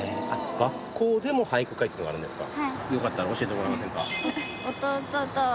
学校でも俳句会っていうのがあるんですか。